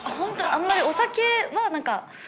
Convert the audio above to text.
あんまりお酒は何か。